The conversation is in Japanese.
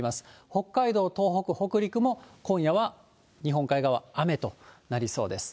北海道、東北、北陸も、今夜は日本海側、雨となりそうです。